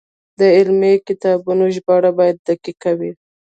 د علمي کتابونو ژباړه باید دقیقه وي.